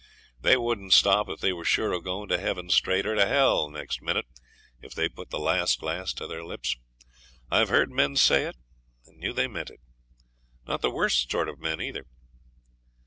they wouldn't stop if they were sure of going to heaven straight, or to hell next minute if they put the last glass to their lips. I've heard men say it, and knew they meant it. Not the worst sort of men, either.